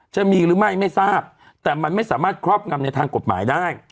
จะมีหรือไม่ไม่ทราบแต่มันไม่สามารถครอบงำในทางกฎหมายได้